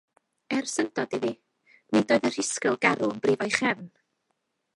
Er syndod iddi, nid oedd y rhisgl garw yn brifo'i chefn.